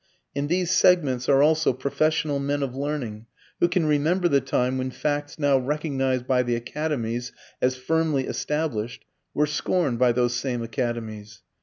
In these segments are also professional men of learning who can remember the time when facts now recognized by the Academies as firmly established, were scorned by those same Academies.